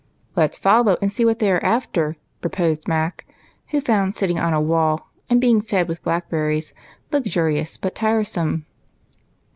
"Let's follow and see what they are after," pro posed Mac, who found sitting on a wall and being fed with blackberries luxurious but tiresome.